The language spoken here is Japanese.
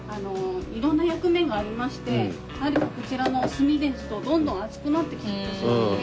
色んな役目がありましてやはりこちらの炭ですとどんどん熱くなってきてしまって。